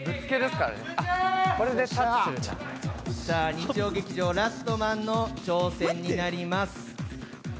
日曜劇場「ラストマン」の挑戦になります。